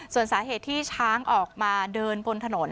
ส่วนสาเหตุที่ช้างออกมาเดินบนถนน